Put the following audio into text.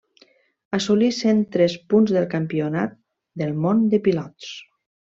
Assolí cent tres punts pel campionat del món de pilots.